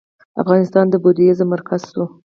افغانستان د بودیزم مرکز شو